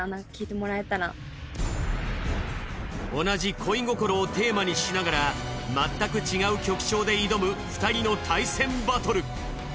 同じ恋心をテーマにしながらまったく違う曲調で挑む２人の対戦バトル。